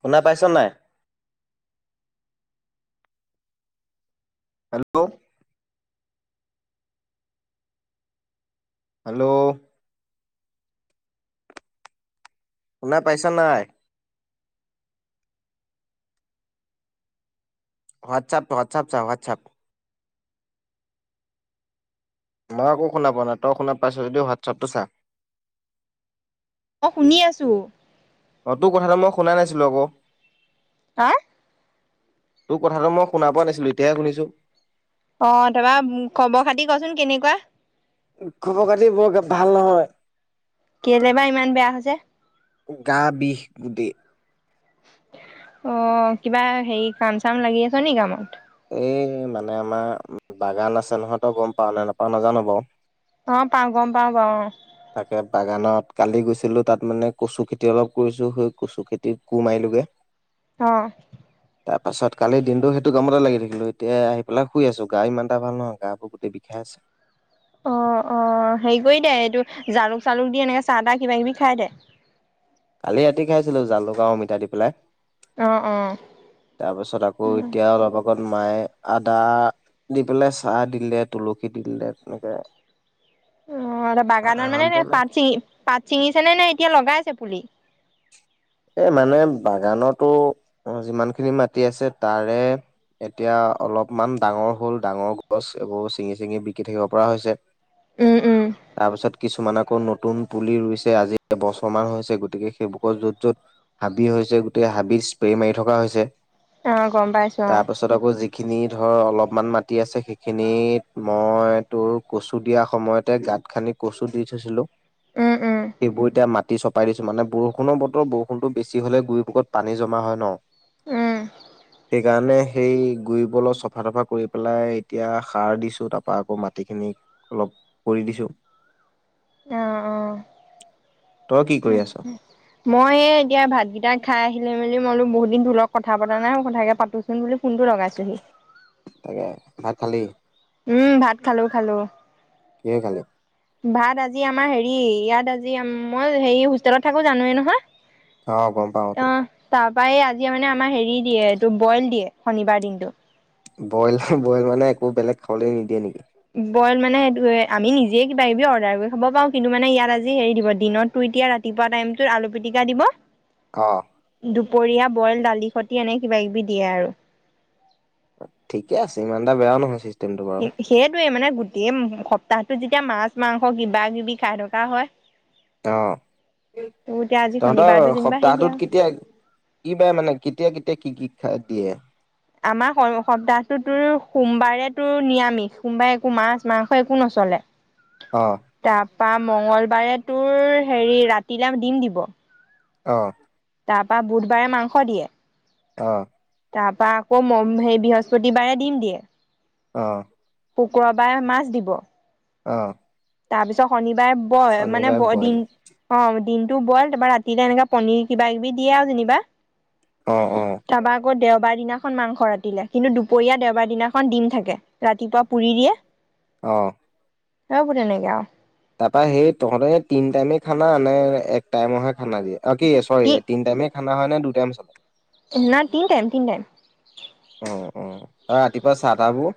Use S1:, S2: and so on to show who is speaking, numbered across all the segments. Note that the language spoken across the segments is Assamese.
S1: শুনা পাইছ নাই? হেল্ল'। হেল্ল'। শুনা পাইছ নাই? হোৱাটছএপ-হোৱাটছএপ চা, হোৱাটছএপ। মই একো শুনা পোৱা নাই। তই শুনা পাইছ যদি হোৱাটছআপটো চা।
S2: মই শুনি আছো।
S1: অ' তোৰ কথাটো মই শুনা নাছিলো আকৌ!
S2: হা
S1: তোৰ কথাটো মই শুনা পোৱা নাছিলো এতিয়াহে শুনিছো।
S2: অ' তাৰপা খবৰ-খাতি কচোন কেনেকুৱা?
S1: খবৰ-খাতি বৰকে ভাল নহয়।
S2: কেলে বা ইমান বেয়া হৈছে?
S1: গা বিষ গোটেই
S2: অ' কিবা হেৰি কাম-চাম লাগি আছ নি কামত?
S1: এই মানে আমাৰ বাগান আছে নহয়, তই গম পাৱ নে নাপাৱ নাজানো বাৰু।
S2: অ' পাওঁ গম পাওঁ বাও অ'।
S1: তাকে বাগানত কালি গৈছিলোঁ তাত মানে কচুখেতি অলপ কৰিছোঁ, সেই কচুখেতিৰ কোৰ মাৰিলোগে।
S2: অহ
S1: তাৰপাছত কালিৰ দিনটো সেইটো কামতে লাগি থাকিলো, এতিয়া আহি পেলাই শুই আছো গা ইমান এটা ভাল নহয় গা বোৰ গোটেই বিষাই আছে।
S2: অ' অ' হেৰি কৰি দে এইটো জালুক-চালুক দি এনেকে চাহ-তাহ কিবাকিবি খাই দে।
S1: কালি ৰাতি খাইছিলো জালুক আৰু অমিতা দি পেলাই।
S2: অ', অ'।
S1: তাৰপিছত আকৌ এতিয়া অলপ আ লগত মায়ে আদা, দি পেলাই চাহ দিলে তুলসী দি দিলে তেনেকে।
S2: অ' বাগানত মানে
S1: আৰাম পালে
S2: পাত চিঙি, পাত চিঙিছে নে, নে এতিয়া লগাইছে পুলি?
S1: এ মানে বাগানতো যিমানখিনি মাটি আছে তাৰে, এতিয়া অলপমান ডাঙৰ হ'ল, ডাঙৰ গছ এইবোৰ চিঙি-চিঙি বিকি থাকিব পৰা হৈছে।
S2: উম উম।
S1: তাৰ পিছত কিছুমান আকৌ নতুন পুলি ৰুইছে আজি এবছৰমান হৈছে গতিকে সেইবোৰ কৰ য'ত য'ত হাবি হৈছে গোটেই হাবিত স্প্ৰে মাৰি থকা হৈছে।
S2: অ' গম পাইছো অ'।
S1: তাৰপাছত আকৌ যিখিনি ধৰ অলপমান মাটি আছে সেইখিনিত, মই তোৰ কচু দিয়া সময়তে গাঁত খান্দি কচু দি থৈছিলো।
S2: উম, উম।
S1: এইবোৰ এতিয়া মাটি মাটি চপাই দিছো মানে বৰষুণৰ বতৰ ব বৰষুণটো বেছি হ'লে গুৰিপকত পানী জমা হয় ন?
S2: উম,
S1: সেইকাৰণে সেই গুৰিবোৰ অলপ চফা-তফা কৰি পেলাই এতিয়া সাৰ দিছোঁ, তাৰপা আকৌ মাটিখিনি অলপ কৰি দিছোঁ।
S2: অ' অ'
S1: তই কি কৰি আছ
S2: মই এ এতিয়া ভাতকেইটা খাই আহি লৈ মেলি মই বোলো বহুত দিন তোৰ লগত কথা পাতা নাই মই কথাকে পাতোচোন বুলি ফোনটো লগাইছোহি।
S1: তাকে ভাত খালি?
S2: উম ভাত খালো খালো
S1: কিহে খালি
S2: ভাত আজি আজি আমাৰ হেৰি ইয়াত আজি মই হেৰি হোষ্টেলত থাকো জানো এ নহয়
S1: অ গম পাওতো
S2: ত এই আজিয় মানে আমাৰ হেৰি দিয়ে এইটো বইল দিয়ে শনিবাৰ দিনটো
S1: বইল বইল মানে একো বেলেগ খাবলৈ নিদিয়ে নেকি?
S2: বইলা মানে সেইটো এ আমি নিজেই কিবা কিবি অৰ্ডাৰ কৰি খাবো পাৰো কিন্তু মানে ইয়াত আজি হেৰি দিব দিনতটো এতিয়া ৰাতিপুৱা টাইমটো আলু পিটিকা দিব।
S1: আহ
S2: দুপৰীয়া বইল দালি সতি এনে কিবা কিবি দিয়ে আৰু
S1: ঠিকে আছে ইমান এটা বেও নহয় চি
S2: সেইটয়ে মানে গোটেই সপ্তাহটো যদি এতিয়া মাছ মাংস কিবা কিবি খাই থকা হয়
S1: অ
S2: তোৰ এতিয়া আজি
S1: তহঁতৰ
S2: শনিবাৰটো যেনিবা হেৰি দিয়া
S1: সপ্তাহটোত কেতিয়া কি বাৰে মানে কেতিয়া কেতিয়া কি কি খাই দিয়ে?
S2: আমাৰ সপ্তাহটো তোৰ সোমবাৰে তোৰ নিৰামিষ সোমবাৰে একো মাছ মাংস একো নচলে
S1: অ
S2: প মঙ্গলবাৰে তোৰ হেৰি ৰাতিলে দিম দিব
S1: অ
S2: তাৰ পৰা বুধবাৰে মাংস দিয়ে
S1: অ
S2: তাৰ পৰা আকৌ সেই বৃহস্পতিবাৰে দিম দিয়ে
S1: অ
S2: শুক্ৰবাৰে মাছ দিব
S1: অ
S2: তাৰপিছত শনিব বাৰে ব মানে
S1: শনিবাৰে
S2: ব
S1: বইল
S2: দিন অ দিন টো বইল তাৰপৰা ৰাতিলে এনেকুৱা পনীৰ কিবা কিবি দিয়ে আৰু যেনিবা
S1: অ', অ',
S2: তপা আকৌ দেও দেওবাৰ দিনাখন মাংস ৰাতিলে কিন্তু দুপৰীয়া দেওবাৰ দিনাখন দিম থাকে, ৰাতিপুৱা পুৰি দিয়ে
S1: অহ
S2: অ তেনেকে আউ
S1: তাৰপা সেই তহঁতে তিন টাইমে খানা নে এক টাইমহে খানা দিয়ে অ কি চৰি তিনি টাইমে খানা হয়ে নে দু টাইম চলে?
S2: নাই তিনি টাইম তিনি টাইম
S1: অ অঁ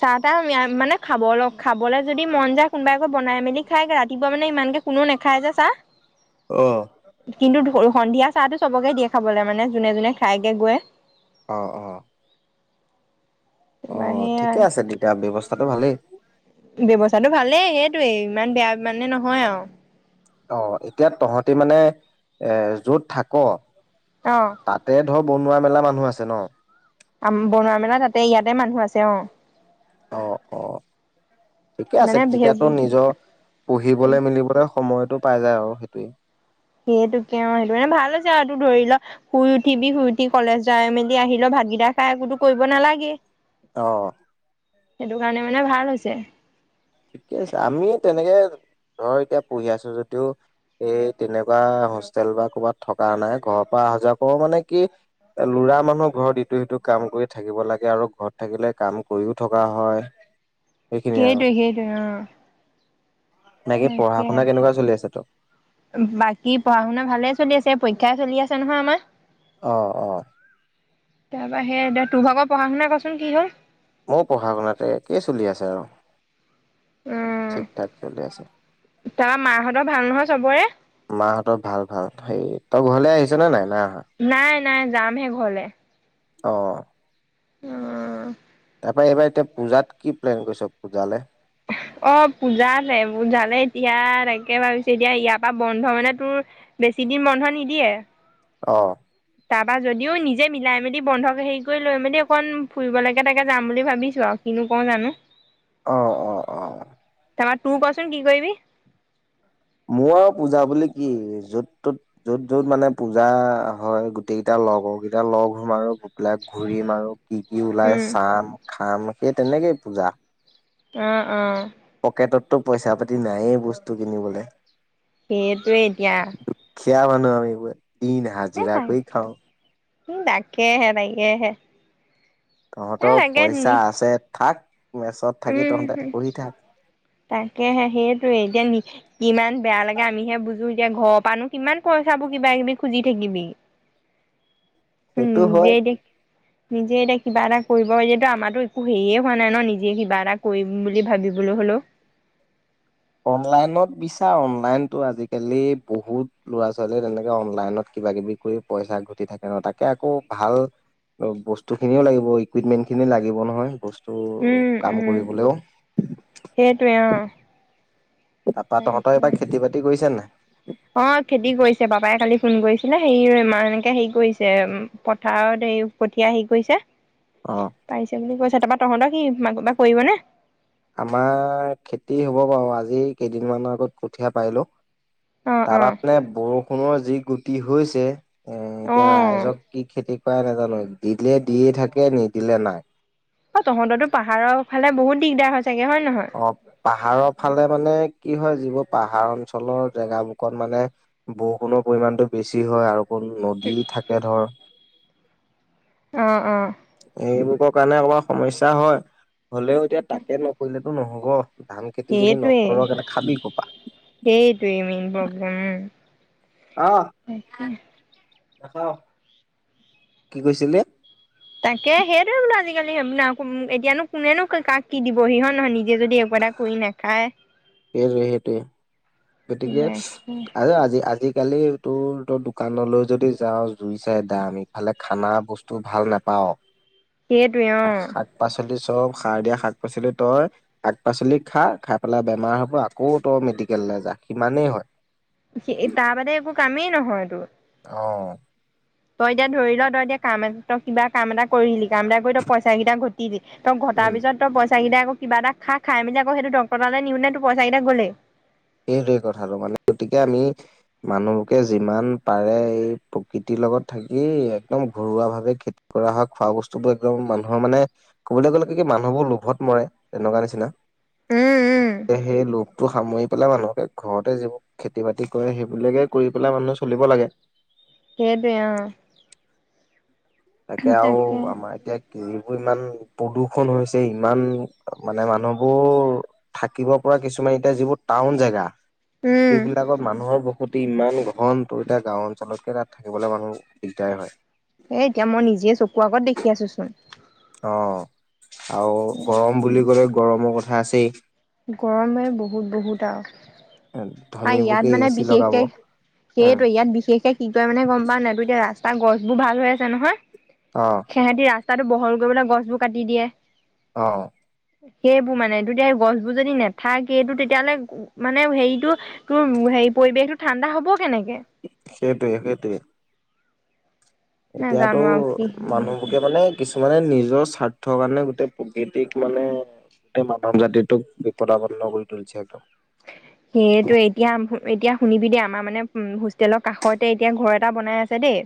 S2: চাহ তাহ মানে খাব অ খাবলৈ যদি মন যায় কোনোবাই আকৌ বনাই মেলি খাইগ ৰাতিপুৱা মানে ইমানকে কোননো নাখায় যে চাহ
S1: অ',
S2: কিন্তু ধৰো সন্ধিয়া চাহটো চবকে দিয়ে খাবলৈ মানে যোনে যোনে খাইকে গৈ
S1: অ অ অ
S2: বা সেয়া
S1: ঠিকে আছে তেতিয়া ব্যৱস্থাটো ভালেই
S2: ব্যৱস্থাটো ভালে সেইটোৱেই ইমান বেয়া মানে নহয় আৰু
S1: অ এতিয়া তহঁতি মানে এ যত থাক তাতে ধৰক বনোৱা মেলা মানুহ আছে ন
S2: আম বনোৱা মেলা তাতে ইয়াতে মানুহ আছে অ
S1: অঁ অঁ ঠিকে আছে তেতিয়াতো
S2: মানে
S1: নিজৰ পঢ়িবলৈ মিলিবলৈ সময়তটো পাই যায় আৰু সেইটোৱে
S2: সেইটোকে অ সেইটো মানে ভাল হৈছে আৰু তো ধৰি ল শুই উঠিবি শুই উঠি কলেজ যাই মেলি আহিল ভাতকিতা খাই একোতো কৰিব নালাগে
S1: অহ
S2: সেইটো কাৰণে মানে ভাল হৈছে
S1: ঠিকে আছে আমি তেনেকে ধৰ এতিয়া পঢ়ি আছো যদিও এই তেনেকুৱা হোষ্টেল বা ক'বাত থকা নাই ঘৰৰ পৰা অহা যোৱা কৰো মানে কি লৰা মানুহ ঘৰত ইটো সিটো কাম কৰি থাকিব লাগে আৰু ঘৰত থাকিলে কাম কৰিও থকা হয় এইখিনিয়ে আৰু
S2: উ
S1: বাকী পঢ়া
S2: তাকে
S1: শুনা কেনেকুৱা চলি আছে তোৰ
S2: বাকী পঢ়া শুনা ভালে চলি আছে পৰীক্ষা পৰিক্ষা চলি আছে নহয় আমাৰ
S1: অহ অহ
S2: তাৰপৰা সেই তোৰ ভাগৰ পঢ়া শুনা কচোন কি হ'ল?
S1: মোৰ পঢ়া শুনাতে একেই চলি আছে আৰু
S2: উম
S1: ঠিক ঠাক চলি আছে
S2: তাৰপৰা মাহঁতৰ ভাল নহয় চবৰে
S1: মাহঁতৰ ভাল ভাল হেই ত ঘৰলে আহিছে নাই না
S2: নাই নাই যামহে ঘৰলে
S1: অ
S2: উ
S1: তাৰ পৰাৰা এইবাৰ এতিয়া পূজাত কি প্লেন কৰিছ পূজালে
S2: অ পূজাল পূজালে এতিয়া তাকে ভাবিছো এতিয়া ইয়াৰ পৰা বন্ধ মানে তোৰ বেছি দিন বন্ধ নিদিয়ে
S1: অ
S2: তাৰপা যদিও নিজে মিলাই মেলি বন্ধ হেৰি কৰি লৈ মেলি অকণ ফুৰিবলৈকে তাকে যাম বুলি ভাবিছো আৰু কিনো কওঁ জানো
S1: আহ অ অ
S2: তাৰপৰা তোৰ কচোন কি কৰিবি
S1: মোৰ আৰু পূজা বুলি কি যত ত'ত যত যত মানে পূজা হয় গোটেই কেইটা লগৰকেইটা লগ হম আৰু এইবিলাক ঘুৰিম আৰু কি কি ওলাই
S2: উম,
S1: চাম খাম সেই তেনেকেই পূজা
S2: অ অ
S1: পকেটততো পইচা পাতি নায়েই বস্তু কিনিবলৈ
S2: সেইটোৱে এতিয়া
S1: খিয়া মানুহ আমি বোৱে দিন হাজিৰা কৰি খাওঁ
S2: উম তাকেহে-তাকেহে।
S1: তহঁতৰ পইচা আছে থাক মেচত থাকি তহঁতে
S2: উম-হুম,
S1: পঢ়ি থাক
S2: তাকেহে সেইটোয়ে, এতিয়া কিমান বেয়া লাগে আমিহে বুজোঁ। এতিয়া ঘৰৰ পৰানো কিমান পইচাবোৰ কিবাকিবি খুজি থাকিবি। উম
S1: সেইটো হয়
S2: যেয়ে দি নিজেই এতিয়া কিবা এটা কৰিব পাৰিলেতো আমাৰতো একো হেৰিয়ে হোৱা নাই ন নিজে কিবা এটা কৰিম বুলি ভাবিবলৈ হ'লেও।
S1: অনলাইনত বিচাৰ, অনলাইনতো আজিকালি বহুত ল'ৰা-ছোৱালীয়ে তেনেকে অনলাইনত কিবাকিবি কৰি পইচা ঘটি থাকে ন, তাকে আকৌ ভাল বস্তুখিনিও লাগিব ইকুইপমেন্টখিনি লাগিব নহয় তোৰ,
S2: উম
S1: কাম
S2: উম
S1: কৰিবলৈও।
S2: সেইটোৱে অ',
S1: তাপা তহঁতৰ এইবাৰ খেতি-বাতি কৰিছে নাই? [inaudible]
S2: অ' খেতি কৰিছে বাপাই কালি ফোন কৰিছিলে, হেৰি ইমান এনেকে হেৰি কৰিছে, পথাৰত হেৰি কঠীয়া হেৰি কৰিছে।
S1: অ
S2: পৰিছে বুলি কৈছে তাপাত। তহঁতৰ কি [unintelligible] কৰিব নে?
S1: আমাৰ খেতি হ'ব বাৰু, আজি কেইদিনমানৰ আগত কঠীয়া পাৰিলো।
S2: অ', অ',
S1: তাৰপা মানে বৰষুণৰ যি গতি হৈছে, এ
S2: অ',
S1: এতিয়া ৰাইজক
S2: অ',
S1: কি খেতি কি কৰে নেজানো দিলে দিয়ে থাকে, নিদিলে নাই।
S2: অ' তহঁতৰতো পাহাৰৰ ফালে বহুত দিগদাৰ হৈছে।
S1: অ' পাহাৰৰ ফালে মানে। কি হয় যিবোৰ পাহাৰ অঞ্চলৰ জেগাবোকত মানে বৰষুণৰ পৰিমাণটো বেছি হয় আৰু নদী থাকে ধৰ।
S2: অ' অ'।
S1: এইবোকৰ কাৰণে অকণমান সমস্যা হয়। হ'লেও এতিয়া তাকে নকৰিলে সেইটো নহ'ব। ধান খেতি যদি
S2: সেইটোৱেই,
S1: নকৰ কেনে খাবি কপা
S2: সেইটোৱেইে মেন প্ৰব্লেম উম তাকে
S1: নাখাওঁ, কি কৈছিলি?
S2: তাকে সেইটোৱে বোলো আজি কালি [unintelligible] এতিয়ানো কোনেনো ক-কাক কি দিবহি হয় নহয়? যে যদি একোটা কৰি নাখায়।
S1: সেইটো সেইটো। গতিকে আৰু আজি আজি। আজিকালি তোৰ ত দোকানলৈ যদি যাওঁ জুই চাই‌ দাম ইফালে খানা বস্তু ভাল নাপাও।
S2: সেইটোৱে অ'।
S1: শাক পাচলি। চব সাৰ দিয়া শাক পাচলি তই শাক পাচলি খা খাই পেলাই। বেমাৰ হ'ব আকৌ তই মেডিকেললৈ যা সিমানেই হয়।
S2: তাৰ বাদে একো কামেই। কিয় হয় এইটো।
S1: অঁ।
S2: তই এতিয়া ধৰি ল তই এতিয়া কাম এ তই কিবা কাম এটা কৰিলি কাম এটা কৰি তই পইচা কেইটা ঘটিলি। তই ঘটাৰ
S1: উম
S2: পিছত তই পইচা কেইটা আকৌ। কিবা এটা খা খাই মেলি আকৌ সেইটো ডক্টৰতালে নিওঁতে টোৰ সেই পইচা কেইটা গলেই।
S1: সেইটোৱেই কথাটো মানে, গতিকে আমি মানুহকে যিমান পাৰে এই প্ৰকৃতিৰ লগত থাকি একদম ঘৰুৱা ভাৱে খেতি কৰা হয় খোৱা বস্তুবোৰ একদম মানুহৰ মানে কবলৈ গলে কি কি মানুহবোৰ লোভত মৰে, তেনেকুৱা নিচিনা।
S2: উম উম।
S1: সেই লোভটো সামৰি। পেলাই মানুহকে ঘৰতে যিবোৰ খেতি বাতি কৰে সেইবিলাকে কৰি পেলাই মানুহে চলিব লাগে।
S2: সেইটোৱে অ।
S1: তাকে আৰু আমাৰ এতিয়া। যিবোৰ ইমান প্ৰদূ্ষন হৈছে ইমান মানে মানুহবোৰ থাকিব পৰা কিছুমান এতিয়া যিবোৰ টাউন জেগা।
S2: উম
S1: সেই বিলাকত মানুহৰ বহুত। প্ৰতি ইমান ঘনটো এতিয়া গাঁও অঞ্চলতকে তাত থাকিবলৈ মানুহ দিগদাৰ হয়।
S2: হেই এতিয়া মই নিজে চকু আগত দেখি আছো চোন।
S1: অ। আৰু গৰম বুলি ক'লে। গৰমৰ কথা আছেই।
S2: গৰমে বহুত বহুত আৰু। আৰু
S1: ধনীবোকে
S2: ইয়াত
S1: এ
S2: মানে
S1: চি লগাব
S2: বিশেষকে
S1: উম
S2: সেইটোৱে ইয়াত বিশেষকে কি কয় মানে গম পাও নাই টো এতিয়া ৰাস্তা। তাৰ গছবোৰ ভাল হৈ আছে নহয়।
S1: অ
S2: সেহেতি ৰাস্তা। ৰস্তাটো বহল কৰিবলে গছবোৰ কাটি দিয়ে।
S1: অ।
S2: সেইবোৰ মানে দুইটাই গছ টোৰ যদি নাথাকেই, টোৰ তেতিয়াাহ'লে মানে হেৰিটো তোৰ হেৰি পৰিবেশ টো ঠাণ্ডা হ'ব। কেনেকে
S1: সেইটোৱেই সেইটোৱেই। এতিয়াতো
S2: নাজানো আৰু কি
S1: মানুহকে মানে কিছুমানে নিজ, নিজৰ স্বাৰ্থৰ কাৰণে গোটেই প্ৰকৃতিক মানে গোটেই মানৱ জাতিটোক বিপদাপন্ন কৰি তুলিছে একদম।
S2: সেইটোৱে এতিয়া এতিয়া শুনিবি দে। আমাৰ মানে উম হোষ্টেলৰ কাষতে এতিয়া ঘৰ এটা বনাই আছে দেই।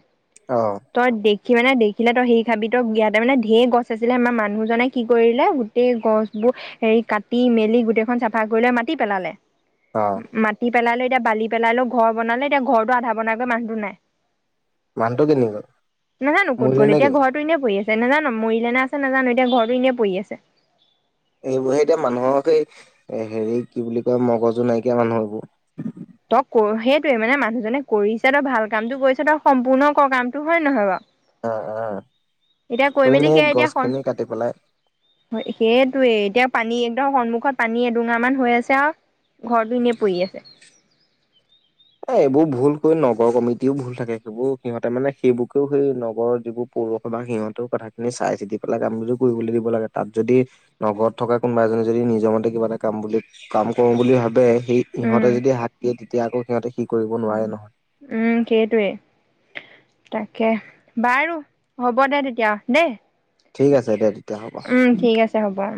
S1: অ
S2: তই দেখি সি মানে দেখিলে তই সেই খাবিতো ইয়াতে মানে ঢেৰ গছ আছিলে আমাৰ মানুহজনে কি কৰিলে গোটেই গছ বোৰ হেৰি কাটি মেলি গোটেইখন চাফা কৰিলে মাতি পেলালে।
S1: অ
S2: মাটিত পেলালো এতিয়া বালি পেলালো ঘৰ বনালে এতিয়া ঘৰতটো আধা বনাই গৈ মানুহটো নাই
S1: মানুহটো কেনি গ'ল
S2: নাজানো ক'ত
S1: মৰিলে
S2: গ'ল এতিয়া
S1: নেকি
S2: ঘটো এনেই পৰি আছে যে নাজানো মৰিলে নে আছে নাজানো এতিয়া ঘৰতটো এনে পৰি আছে
S1: এইবোৰ সেই এতিয়া মানুহক সেই হেৰি কি বুলি কয় মগজু নাইকিয়া মানুহ এইবোৰ
S2: ত সেইটয়ে মানে মানুহজনে কৰিছে তই ভাল কামটো কৰিছ তই সম্পূৰ্ণ কামটো হয় নহয় বাৰু
S1: অ অ
S2: এতিয়া
S1: ত
S2: কৈ মেলি
S1: এনেই
S2: সেয়া এতিয়া
S1: গছ খিনি কাটি পেলাই
S2: সেইটোৱে এতিয়া পানী একদৰ সন্মুখত পানী এডোঙা মান হৈ আছে আৰু
S1: এ এইবোৰ ভুল কৰিৈ নগৰ কমিটিও ভুল থাকে সেইবোৰ সিহঁতে মানে সেইবোৰকেও সেই নগৰৰ যিবোৰ পৌৰুষে বা সিহঁতেও কথাখিনি চাই চিতি পেলাই কামবো কৰিবলৈ দিব লাগে তাত যদি নগৰত থকা কোনোবা এজনে যদি নিজৰ মতে কিবা এটা কাম বুলি কাম কৰো বুলি ভাবে সেই
S2: উম
S1: ইহঁতে যদি শাক দিয়ে তেতিয়া আকৌ সিহঁতে সি কৰিব নোৱাৰে নহয়
S2: উম সেইটোৱেই তাকে বাৰু হ'ব দে তেতিয়া দেই
S1: ঠিক আছে দে তেতিয়া হ'ব
S2: উম ঠিক আছে হ'ব আহ